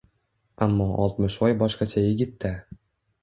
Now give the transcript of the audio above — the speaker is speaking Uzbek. Ammo Oltmishvoy boshqacha yigit-da!